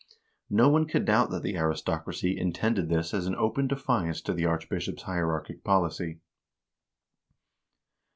No one could doubt that the aristocracy intended this as an open defiance to the archbishop's hierarchic policy.